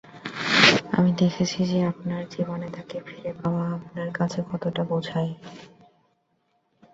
আমি দেখেছি যে আপনার জীবনে তাকে ফিরে পাওয়া আপনার কাছে কতটা বোঝায়।